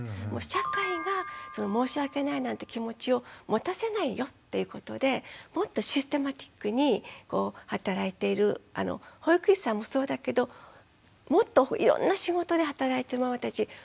社会が「申し訳ない」なんて気持ちを持たせないよっていうことでもっとシステマティックに働いている保育士さんもそうだけどもっといろんな仕事で働いてるママたちおんなじような思いだと。